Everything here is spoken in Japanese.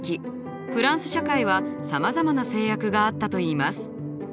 フランス社会はさまざまな制約があったといいます。